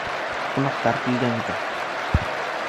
Ҡунаҡтар килгән икән.